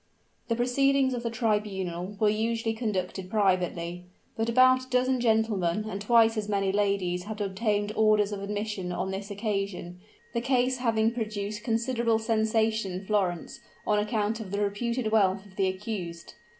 The proceedings of the tribunal were usually conducted privately; but about a dozen gentlemen and twice as many ladies had obtained orders of admission on this occasion, the case having produced considerable sensation in Florence, on account of the reputed wealth of the accused.